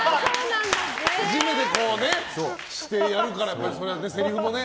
初めてしてやるからそれは、せりふもね。